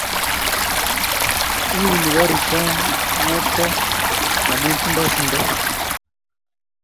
Iuni karucho ngwokto amu tindo simdo